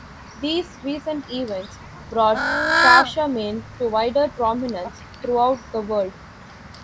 These recent events brought Shashamane to wider prominence throughout the world.